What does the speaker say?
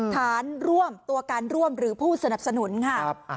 ฐานร่วมตัวการร่วมหรือผู้สนับสนุนค่ะ